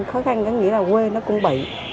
khó khăn nghĩa là quê nó cũng bị